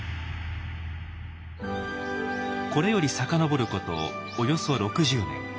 これより遡ることおよそ６０年。